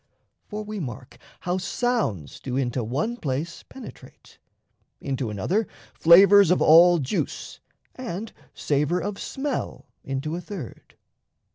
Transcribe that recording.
For we mark How sounds do into one place penetrate, Into another flavours of all juice, And savour of smell into a third.